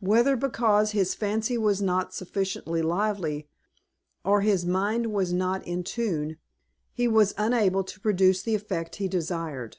Whether because his fancy was not sufficiently lively, or his mind was not in tune, he was unable to produce the effect he desired.